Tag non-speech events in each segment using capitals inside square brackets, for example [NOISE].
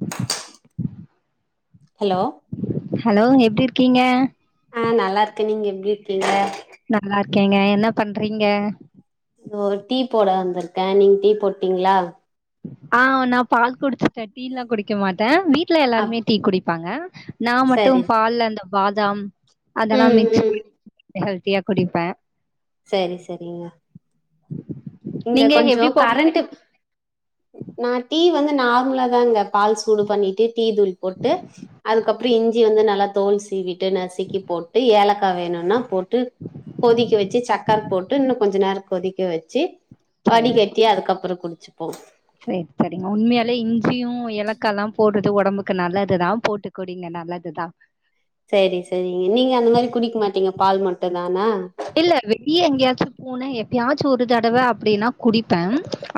பல்க hello hello எப்டி இருக்கீங்க ஆ நல்லா இருக்கே நீங்க எப்டி இருக்கீங்க நல்லா இருக்கேங்க என்ன பண்றீங்க தோ டீ போட வந்திருக்கே நீங் டீ போட்டீங்களா ஆ வ நா பால் குடிச்சுட்டே டீல்லா குடிக்க மாட்டே வீட் ட்ல அப் எல்லாருமே டீ குடிப்பாங்க நா மட்டு சரி பால்ல அந்த பாதாம் அதெல்லா ம் மிக்ஸ் ம் பண்ணி ஹெல்த்தியா குடிப்பே செரி செரிங்க இங்க நீங்க கொஞ்சோ எப்டி போடுறீங்க? கரண்ட் நா டீ வந்து நார்மலாதாங்க பால் சூடு பண்ணிட்டு டீ தூள் போட்டு அதுக்கப்பறோ இஞ்சி வந்து நல்லா தோல் சீவி ட்டு நசிக்கி போட்டு ஏலக்கா வேணுன்னா போட்டு கொதிக்க வச்சி சக்கர போட் டு இன்னு கொஞ்ச நேரோ கொதிக்க வச்சி வடி கட்டி அதுக்கப்பறோ குடிச்சிப்போ சேரி சேரிங்க உண்மையாலே இஞ்சியு ஏலக்கால்லா போட்றது ஒடம்புக்கு நல்லதுதா போட்டு குடிங்க நல்லதுதா சேரி சேரிங்க நீங்க அந்த மாரி குடிக்க மாட்டீங்க பால் மட்டுந்தானா இல்ல வெளிய எங்கயாச்சு போனா எப்பயாச்சு ஒரு தடவ அப்டின்னா குடிப்பே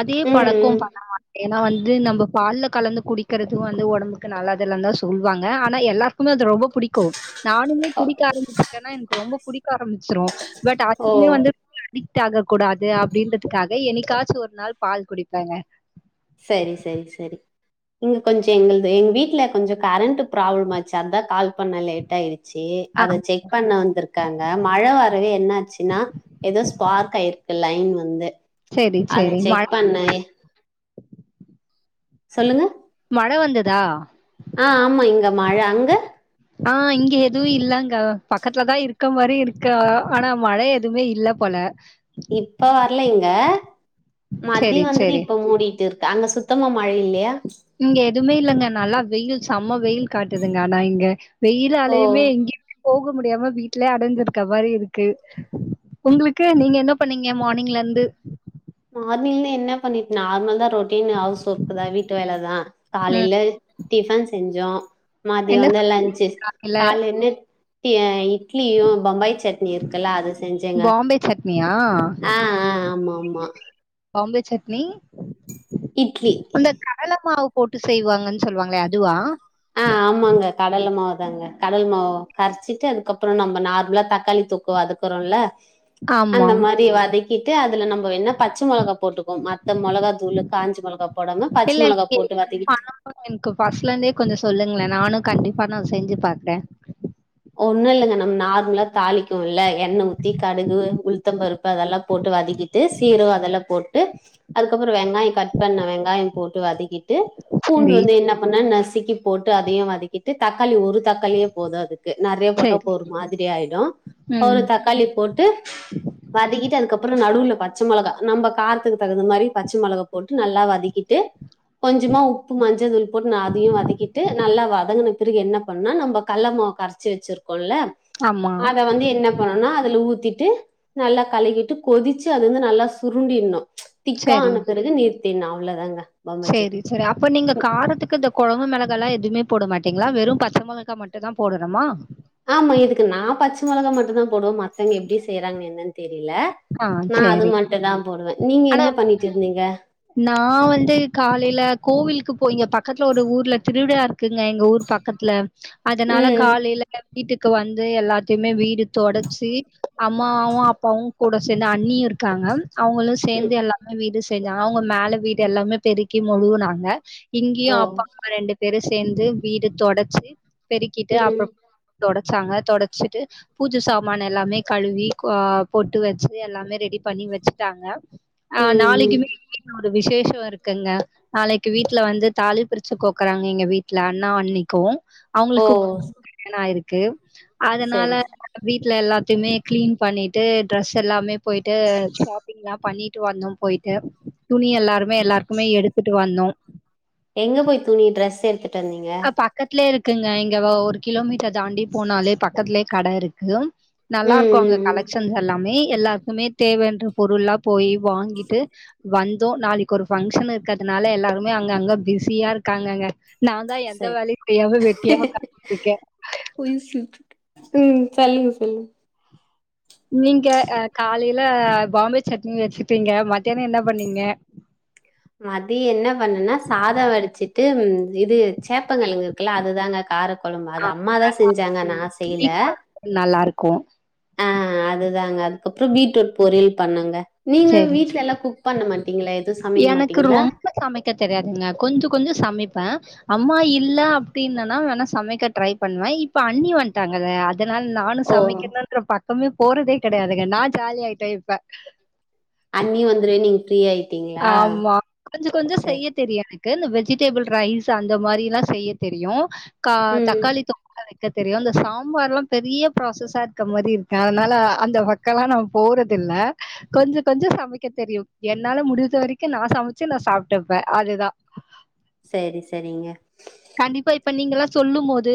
அதே ம் பழக்கோ ம் பண்ண மாட்டே ஏன்னா வந்து நம்ம பால்ல கலந்து குடிக்கிறது வந்து ஒடம்புக்கு நல்லது இல்ல தா சொல்வாங்க ஆனா எல்லா துக்குமே அது ரொம்ப பிடிக்கு நானுமே குடிக்க ஆரம்பிச்சிட்டேன்னா எனக்கு ரொம்ப புடிக்க ஆரம்பிச்சிரு பட் ஓ அதுவுமே வந்து அடிக்ட் ஆக கூடாது அப்டின்றதுக்காக என்னக்காச்சு ஒரு நாள் பால் குடிப்பேங்க சரி சரி சரி இங்க கொஞ்ச எங்கள்து எங்க வீட்ல கொஞ்சோ கரண்ட் ப்ராப்ளம் ஆச்சு அதா கால் பண்ண லேட்டா ஆயிரு ச்சி ஆ அத செக் பண்ண வந்துருக்காங்க மழ வரவே என்னாச்சின்னா ஏதோ ஸ்பார்க் ஆயிருக்கு லயன் வந்து செரி அத செரி செக் பண்ண சொல்லுங்க ஆ ஆமா இங்க மழ அங்க ஆ இங்க எதுவு இல்லங்க பக்கத்துலதா இருக்க மாரி இருக்க ஆனா மழ எதுமே இல்ல போல இப்ப வரலைங்க சரி, மதியோ வந்தது சரி. இப்ப மூடிட்டு இருக்கு அங்க சுத் தமா மழ இல்லையா இங்க எதுமே இல்லங்க நல்லா வெயில் செம்ம வெயில் காட்டுதுங்க ஆனா இங்க ஓ வெயிலாலயுமே எங்கயுமே போக முடியாம வீட்லயே அடஞ்சிருக்க மாரி இருக்கு உங்களுக்கு நீங்க என்ன பண்ணீங்க மானிங்ல இருந்து மார்னிங்ல என்ன பண்ணி நார்மல்தா ரொட் டீன் ஹவுஸ் ஒர்க்குதா வீட்டு வேலதா ம். காலேல டிஃபன் செஞ்சோ மதியோ என்ன வந்து லன்ச்சு சமையல? கால்ல என்ன இட் இட்லியு பம்பாய் சட்னி இருக்குல்ல அது செஞ்சேங் பாம்பே சட்னியா ஆ ஆ ஆமா ஆமா பாம்பே சட்னி இட்லி அந்த கடல மாவு போட்டு செய்வாங்கன்னு சொல்லுவாங்களே அதுவா ஆ ஆமாங்க கடல மாவு தாங்க கடல மாவ கரச்சிட்டு அதுக்கப்பறோ நம்ம நார்மலா தக்காளி தொக்கு வதக் குறோல்ல ஆமா. அந்த மாரி வதக்கிட்டு அதுல நம்ம இப்போ என்ன பச்ச மெளகா போட்டுக்குவோ மத்த மெளகா தூளு காஞ்ச மெளகா போடாம பச்ச மெளகா போட்டு வதக்கிட்டு பூரா எனக்கு ஃபர்ஸ்ட்ல இருந்தே கொஞ்சோ சொல்லுங்களே நானு கண்டிப்பா நா செஞ்சி பாக்குறே ஒண்ணு இல்லங்க நம்ம நார்மலா தாளிக்கோ இல்ல எண்ணெ ஊத்தி கடுகு, உளுத்த பருப்பு அதெல்லா போட்டு வதக்கி ட்டு சீரகோ அதெல்லா போட்டு அதுக்கப்பறோ வெங்காயோ கட் பண்ண வெங்காயம் போட்டு வதக்கிட்டு பூண்டு சரி, வந்து என்ன பண்ண நசுக்கி போட்டு அதயு வதக்கிட்டு தக்காளி ஒரு தக்காளியே போது அதுக் க்கு நறைய சரி. ஒரு மாதிரி ஆயிடு ஒரு ம். தக்காளி போட்டு வதக்கிட்டு அதுக்கப்பறொ நடுவுல பச்சை மொளகா நம்ப காரத்துக்கு தகுந்த மாதிரி பச்ச மிளகா போட்டு நல்லா வதக்கிட் டு கொஞ்சமா உப்பு மஞ்ச தூள் போட்டு ந அதையு வதக்கிட்டு நல்லா வதங்கன பிறகு என்ன பண்ணுனா நம்ம கல்லமாவு கரைச்சி வச்சிருக்கோல ஆமா. அத வந்து என்ன போனோனா அதுல ஊத்திட்டு நல்லா கலக்கிட்டு கொதிச்சி அது வந்து நல்லா சுருண்டினு சரி. திக்கான பிறகு நிறுத்தினு அவ்லதாங்க சேரி சேர் அப்ப நீங்க காரத்துக்கு த கொழம்பு மிளகாலா எதுவுமே போட மாட்டீங்ளா வெறும் பச்ச மொளகா மட்டுந்தா போடணுமா ஆமா இதுக்கு நா பச்ச மிளகா மட்டு்தா போடுவ மத்தவங்க எப்டி செய்யறாங்க என்னன் தெரில ஆ நா அது சேரி மட்டு தா போடுவ நீங்க ஆனா என்ன பண்ணிட்டு இருந்தீங்க நா வந்து காலைல கோவிலுக்கு போய்ங்க பக்கத்துல ஒரு ஊர்ல திருவிழா இருக் குங்க எங்க ஊர் பக்கத்ல அதனால ம் காலைல வீட்டுக்கு வந்து எல்லாத்தையுமே வீடு தொடச்சி அம்மாவு அப்பாவு கூட சேந்து அண்ணியு இருக்காங்க அவங்களு ம், சேர்ந்து எல்லாமே வீடு செஞ்சாங்க அவங்க மேல வீடு எல்லாமே பெருக்கி மொழுவுனாங்க இங்கியு ஓ அப்பாம்மா ரெண்டு பேரு சேந்து வீடு தொடச்சி பெருக்கிட்டு ம் அப்பறொ தொடச்சாங்க தொடச்சிட்டு பூஜை சாமான் எல்லாமே கழுவி கோ போட்டு வெச்சு எல்லாமே ரெடி பண்ணி வெச்சு டாங்க ஆ ம் ம். நாளைக்குமே ஒரு விசேஷொ இருக்குங்க நாளைக்கு வீட்ல வந்து தாலி பிரிச்சு கோக்குறாங்க எங்க வீட்ல அண்ணா அண்ணிக்கு ஓ அவ்ங்களுக்கு [INAUDIBLE] ணாயிருக்கு அதனால சரி சரி. வீட்ல எல்லாத்தையுமே க்ளீன் பண்ணிட்டு ட்ரெஸ் எல்லாமே போயிட்டு ஷாப் பிங்லா பண்ணிட்டு வந்தோ போய்ட்டு துணி எல்லாருமே எல்லாருக்குமே எடுத்துட்டு வந்தோ எங்க போய் துணி ட்ரஸ் எடுத்துட்டு வந்தீங்க பக்கத்லே இருக்குங்க இங்க வ ஒரு கிலோமீட்டர் தாண்டி போனாலே பக்கத்லே கட இருக்கு ம் நல்லாருக்கு அங்க ம், ம். கலெக்ஷன்ஸ் எல்லாமே எல்லாருக்குமே தேவன்ற பொருள்லா போய் வாங்கிட்டு வந்தோ நாளைக்கு ஒரு ஃபங்க்ஷன் இருக்கறதுனால எல்லாருமே அங்க அங்க பிஸியா இருக்காங்கங்க நான்தா எந்த சரி வேலயு செய்யாம வெட்டியா ஒக்கந்துட்ருக்க போய் சாப்டுட்ட ம் சொல்லுங்க சொல்லுங்க நீங்க அ காலைல பாம்பே சட்னி வெச்சுட்டீங்க மத்தியானொ என்ன பண்ணீங்க மதிய என்ன பண்ணனா சாதொ வடிச்சிட்டு இது சேப்பங்கெழங்கு இருக்குல அதுதாங்க காரக் கொழம்பு ஆ அது அம்மாதா செஞ்சாங்க நா செய்ல அது நல்லாருக்கு ஆ அதுதாங்க அதுக்கப்றொ பீட்ரூட் பொரியல் பண்ணாங்க நீங்க சேரி சே வீட்லலா குக் பண்ண மாட்டீங்ளா எதுவு சமைக்க மாட்டீங்ளா க்க தெரியாதுங்க கொஞ்சொ கொஞ்சொ சமைப்ப அம்மா இல்ல அப்டின்னனா வேணா சமைக்க ட்ரை பண்ணுவ இப்ப அண்ணி வன்ட்டாங்கத அதனால நானு ஓ சமைக்கணுன்ற பக்கமே போறதே கெடையாதுங்க நா ஜாலியாய்ட்டே இப்ப அண்ணி வந்துரவே நீங்க ஃப்ரீயாய்ட் ஆமா கொஞ்சொ கொஞ்சொ செய்யட் தெரியு எனக்கு இந்த வெஜிடெபிள் ரைஸ் அந்த மாரிலா செய்ய தெரியு க ம் தக்காளி தொக் கலா வெக்க தெரியு இந்த சாம்பார்லா பெரிய ப்ராசஸா இருக்க மாரி இருக்க அதனால அந்த பக் க்கலா நம் போறதில்ல கொஞ்ச கொஞ்சொ சமைக்க தெரியு என்னால முடி இது வரைக்கு நா சமைச்சு நா சாப்டுப்ப அதுதா சரி சரிங்க கண்டிப்பா இப்ப நீங்க எல்லாம் சொல்லும் போது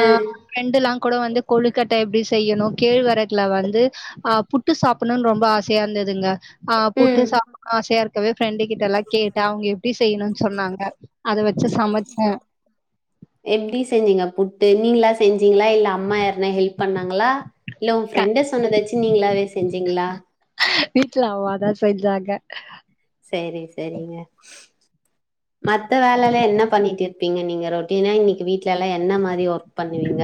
ஆ பிரண்டெல்லாம் கூட வந்து கொழுக்கட்டை எப்டி செய்யணும் கேழ்வரகுல வந்து ஆ புட்டு சாப்பிடணும்ன்னு ரொம்ப ஆசையா இருந்ததுங்க ஆ புட்டு ம் சாப்பிடணும் ஆசையா இருக்கவே ஃப்ரெண்டு கிட்ட எல்லாம் கேட்டேன் அவங்க எப்டி செய்யணும்னு சொன்னாங்க அத வச்சு சமைச்சி எப்டி செஞ்சீங்க புட்டு நீங்களா செஞ்சீங்களா இல்ல அம்மா யருனா ஹெல்ப் பண்ணாங்களா இல்ல உங்க க ஃப்ரெண்ட சொன்னத வச்சி நீங்களாவே செஞ்சீங்களா வீட்ல அம்மா தான் செஞ்சாங்க செரி செரிங்க மத்த வேலலாம் என்ன பண்ணிட்டு இருப்பீங்க நீங்க ரொட்டீனா இன்னைக்கு வீட்டுல எல்லா என்ன மாரி ஒர்க் பண்ணுவீங்க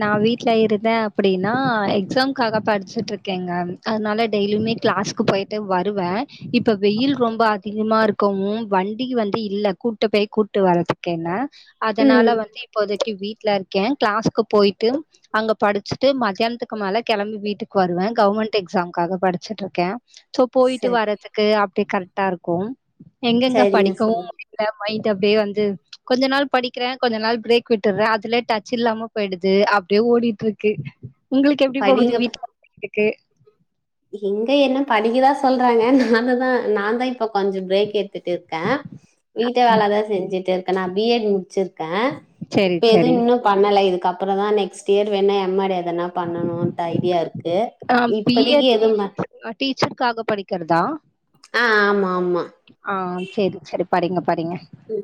நான் வீட்ல இருந்தேன் அப்படினா எக்ஸாம்காக படிச்சுட்டு இருக்கேங்க அதனால டெய்லியுமே கிளாஸ்கு போயிட்டு வருவேன் இப்ப வெயில் ரொம்ப அதிகமா இருக்குவும் வண்டி வந்து இல்ல கூட்டு போய் கூட்டுவறதுக்கு என்னை ம் அதனால வந்து இப்போதைக்கு வீட்டுல இருக்கேன் கிளாஸ்க்கு போயிட்டு அங்க படிச்சிட்டு மதியானத்துக்கு மேல கிளம்பி வீட்டுக்கு வருவேன் கவர்மெண்ட் எக்ஸாமாக படிச்சிட்டு இருக்கேன் சோ போயிட்டு சரி வர்றதுக்கு க்கு அப்டி கரெக்டா இருக்கும் எங்கெங்க சரிங்க சரி படிக்கவும் எங்கங்க மைண்ட் அப்டியே வந்து கொஞ்ச நாள் படிக்கிறேன் கொஞ்ச நாள் பிரேக் விட்டுறேன் அதுலயே டச் இல்லமா போயிடுது ஓடிட்டு இருக்கு உங்களுக்கு எப்டி போகுது படிங்க வீட்ல இங்க என்ன படிக்க தான் சொல்றாங்க நான தான் நான தான் இப்ப கொஞ்சம் பிரேக் எடுத்துட்டு இருக்கேன் வீட்டு ஆ வேலை தான் செஞ்சுட்டு இருக்கேன் நான் பி எட் முடிச்சிருக்கேன் சரி இப்ப எது சரி இன்னும் பண்ணல இதுக்கப்புறம் தான் நெக்ஸ்ட் இயர் வேணும் எம் மே டு எதுன பண்ணணும்ட்டு ஐடியா இருக்கு இங்கு இப்பதிக்கு டீச் ஆ டீச்சர்க்காக படிக்கிறதா ஆ ஆமா ஆமா ஆ சேரி சேரி படிங்க படிங்க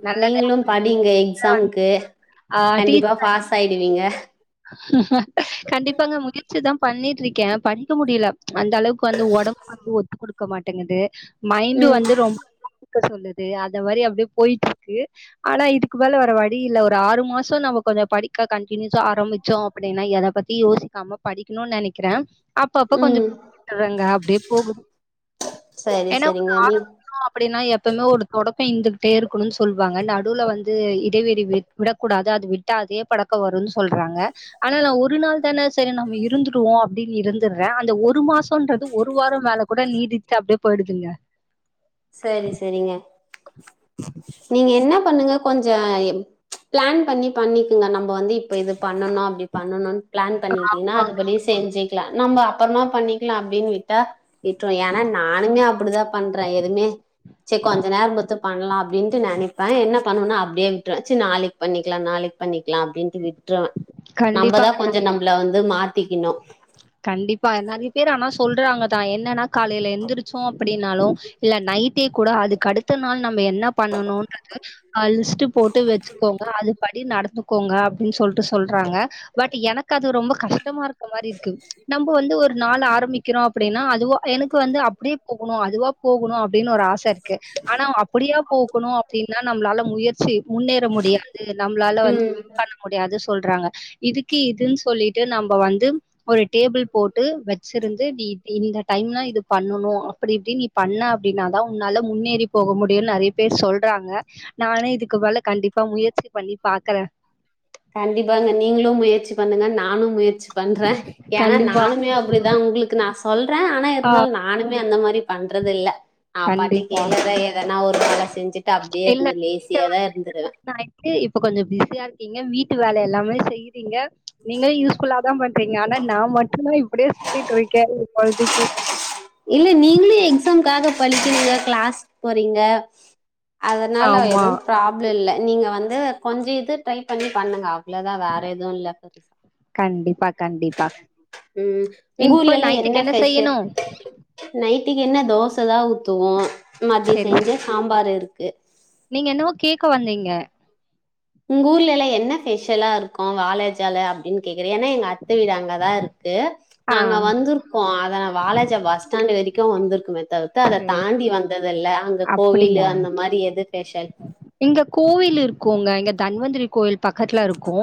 நல்லது நீங்களும் படிங்க எக்ஸாம்க்கு ஆ டீ கண்டிப்பா பாஸ் ஆயிடுவீங்க கண்டிப்பாங்க முயற்சி தான் பண்ணிட்டு இருக்கேன் க்கேன் படிக்க முடியல அந்த அளவுக்கு வந்து உடம்பு வந்து ஒத்து கொடுக்க மாட்டேங்குது மைண்டு ம் வந்து ரொம்ப மக்கர் பண்ணுது அந்த மாரி அப்டியே போயிட்டு இருக்கு ஆனா இதுக்கு மேல வர வழி இல்ல ஒரு ஆறு மாசம் நம்ம கொஞ்சம் படி கண்டினியூஸா ஆரம்பிச்சோம் அப்டின்னா எத பத்தி யோசிக்காம படிக்கணும்னு நினைக்கிறேன் அப்ப அப்ப ம் கொஞ்சம்ட்டுறாங்க அப்டியே போகுது ம் சரி ஏன்னா சரிங்க ஆ நீ அப்டின்னா எப்பவுமே ஒரு தொடக்கம் இருந்துகிட்டே இருக்கணும்னு சொல்லுவாங்க நடுவுல வந்து இடைவெளி விடக்கூடாது அது விட்ட அதே பழக்கம் வரும்னு சொல்றாங்க ஆனா நான் ஒரு நாள் தானே செரி நம்ம இருந்துருவோம் அப்டின்னு இருந்துடுறேன் அந்த ஒரு மாசம் ன்றது ஒரு வாரம் மேல கூட நீடிட்டு அப்டியே போயிடுதுங்க செரி செரிங்க நீங்க என்ன பண்ணுங்க கொஞ்சம் பிளான் பண்ணி பண்ணிக்கங்க நம்ம வந்து இப்ப இது பண்ணனும் அப்டி பண்ணணும் பிளான் பண்ணிட்டீன்னா ஆ அது படி செஞ்சிக்கலாம் நம்ம அப்புறமா பண்ணிக்கலாம் அப்டின்னு விட்டா விட்டோம் ஏன்னா நானுமே அப்டிதான் பண்றேன் எதுவுமே செரி கொஞ்ச நேரம் பொறுத்து பண்ணலாம் அப்டின்ட்டு நினைப்பேன் என்ன பண்ணும்னு அப்டியே விட்டுருவேன் நாளைக்கு பண்ணிக்கலாம் நாளைக்கு பண்ணிக்கலாம் அப்டின்ட்டு விட்டுருவேன் நம்ம கண்டிப்பாங்க தான் கொஞ்சம் நம்மளை வந்து மாத்திக்கணும் கண்டிப்பா நெறய பேர் ஆனா சொல்றாங்க தான் என்னன்னா காலையில எழுந்திருச்சோம் அப்டின்னாலும் இல்ல நைட்டே கூட அதுக்கு அடுத்த நாள் நம்ம என்ன பண்ணனுன்றது போட்டு வச்சுக்கோங்க அது படி நடந்துக்கோங்க அப்டின்னு சொல்லிட்டு சொல்றாங்க பட் எனக்கு கா அது ரொம்ப கஷ்டமா இருக்கற மாரி இருக் க்கு நம்ப வந்து ஒரு நாள் ஆரம்பிக்கிறோ அப்டினா அதுவு எனக்கு வந்து அப்டியே போகணு அதுவா போகணு அப்டின் ஒரு ஆச இருக்கு ஆனா அப்டியா போகணு அப்டின்னா நம்மளால முயற்சி முன்னேற முடியாது நம்மளால வந்து ம் [INAUDIBLE] முடியாது சொல்றாங்க இதுக்கு இதுன் சொல்லிட்டு நம்ப வந்து ஒரு டேபிள் போட்டு வெச்சிருந்து நீ இப்டி இந்த டைம்ல இது பண்ணணு அப்டி இப்டின் இத் பண்ண அப்டின்னாதா உன்னால முன்னேறி போக முடியுன் நெறைய பேர் சொல்றாங்க நானே இதுக்கு வேல கண்டிப்பா முயற்சி பண்ணி பாக்கறே கண்டிப்பாங்க நீங்களு முயற்சி பண்ணுங்க நானு முயற்சி பண்றே ஏனா கண்டிப்பா. நானுமே அப்டிதா உங்களுக்கு நா சொல்றே ஆனா ஆ இருந்தாலு நா நானுமே அந்த மாரி பண்றதில்ல ஆ பாட்டுக் கண்டிப்பா. [INAUDIBLE] எதனா ஒரு வேலை செஞ்சுட் டு அப்டியே இருந்து லேசியா தா இருந்துருவே டு இப்ப கொஞ்ச பிஸியா இருக்கீங்க வீட்டு வேலை எல்லாமே செய்றீங்க நீங்களே யூஸ்ஃபுல்லாதா பண்றீங்க ஆனா நா மட்டுந்தா இப்டியே சுத்திட்ருக்கே எ கொழந்தைக்கு இல்ல நீங்களு எக்ஸாம்காக படிக்கிறீங்க க்ளாஸ் போறீங்க அதனால ஆமா. எதுவு ப்ராப்ள இல்ல நீங்க வந்து கொஞ்ச இது ட்ரை பண்ணி பண்ணுங்க அவ்ளோதா வேற எது ல்ல பெருசா கண்டிப்பா கண்டிப்பா உம் உம் உங்க ஊர்ல இப்ப எல்லா நைட்டுக்கு என்ன ஃபெஷல் செய்யணும்? நைட்டுக்கு என்ன தோசைதா ஊத்துவோ மத்ய சரி, செஞ்ச சரி. சாம்பார் இருக்கு நீங்க என்னவோ கேட்க வந்தீங்க உங்க ஊர்ல எல்லா என்ன ஃபெஷலா இருக்கு வாலாஜால அப்டின் கேக்கறே ஏனா எங் அத்த வீடு அங்கதா இருக்கு ஆ நாங்க வந்திருக்கோ அத ந வாலாஜா பஸ் ஸ்டாண்ட்டு வரைக்கு வந்திருக்குமே தவித் த்து அத சரி. தாண்டி வந்ததில்ல அங்க கோவில்லு அப்படியா? அந்த மாரி எது ஃபெஷல் இங்க கோவில் இருக்குங்க எங்க தன்வந்திரி கோவில் பக்கத்துல இருக்கு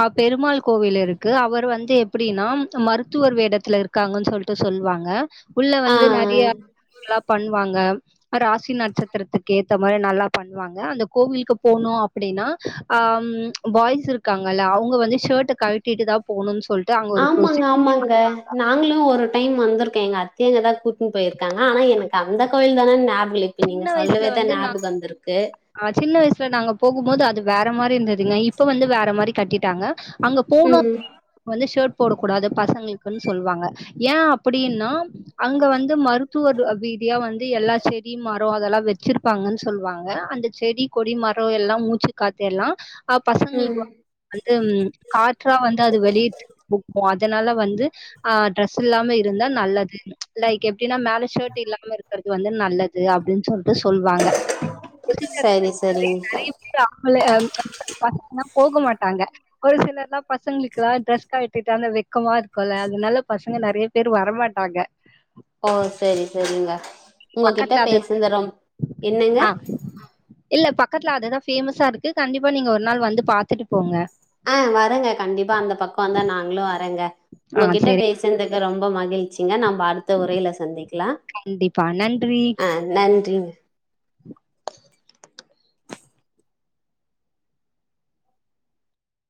அ பெருமாள் கோவில் இருக்கு அவர் வந்து எப்டின்னா மருத்துவர் வேடத்துல இருக் காங்கன் சொல்ட்டு சொல்லுவாங்க உள்ள வந்து ஆஹ் நெறையா [INAUDIBLE] பண்ணுவாங்க ராசி நட்சத்திரத்துக்கு ஏத்த மாரி நல்லா பண்ணுவாங்க அந்த கோவிலுக்கு போனு அப்டினா அம் பாய்ஸ் இருக்காங்கல்ல அவங்க வந்து ஷர்ட்டை கலட்டிட்டு தா போனுன் சொல்ட்டு அங்க ஒரு ப்ரோசி ஆமாங்க ஆமாங்க நாங்களு ஒரு டைம் வந்திருக்கே எங்க அத்தயங்க தா கூட்டுன் போயிருக்காங்க ஆனா எனக்கு அந்த கோயில் தானேன் ஞாபகில்லைங் இப்ப நீங்க சொல்லவே தா ஞாபக வந்திருக்கு ஆ சின்ன வயசுல நாங்க போகும் போது அது வேற மாரி இருந்துதுங்க இப்ப வந்து வேற மாரி கட்டிட்டாங்க அங்க போனு [INAUDIBLE] ம் வந்து ஷர்ட் போடக் கூடாது பசங்குளுக்குன் சொல்லுவாங்க ஏ அப்டின்னா அங்க வந்து மருத்துவர் பீதியா வந்து எல்லா செடி மரோ அதெல்லா வெச்சிருப்பாங்கன் சொல்வாங்க அந்த செடி கொடி மரோ எல்லா மூச்சு காத்தெல்லா அ ம் பசங்களுக்கு வந்து காற்றா வந்து அது வெளியிட் [UNINTELLIGIBLE] அதனால வந்து ஆ ட்ரெஸ் இல்லாம இருந்தா நல்லது லைக் எப்டின்னா மேல ஷர்ட் இல்லாம இருக்கிறது வந்து நல்லது அப்டின் சொல்ட்டு சொல்லுவாங்க சரி சரிங் [INAUDIBLE] போக மாட்டாங்க ஒரு சிலர்ல்லா பசங்கெளுக்கு ட்ரெஸ் கலட்டிட்டு அந்த வெக்கமா இருக்குல்ல அதனால பசங்க நெறைய பேர் வரமாட்டாங்க ஆ சேரி சேரிங்க உங்ககிட்ட பக்கத்துல அது பேசுனது ரொம்ப் என்னங்க ஆ இல்ல பக்கத்துல அதுதா பேஃம்ஸா இருக்கு கண்டிப்பா நீங்க ஒரு நாள் வந்து பாத்துட்டு போங்க ஆ வரங்க கண்டிப்பா அந்த பக்கோ வந்தா நாங்களு வரங்க ஆ உங்ககிட்ட சரி பேச த்ந்துக்கு ரொம்ப மகிழ்ச்சிங்க நம்ம அடுத்த உரையில சந்திக்லா கண்டிப்பா. நன்றி. அ நன்றி [INAUDIBLE]